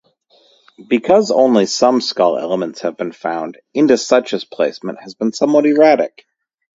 Because only some skull elements have been found, "Indosuchus" placement has been somewhat erratic.